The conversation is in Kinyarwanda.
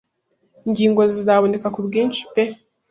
Inkingo zizaboneka kubwinshi pe